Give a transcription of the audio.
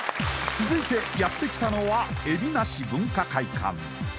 続いてやってきたのは海老名市文化会館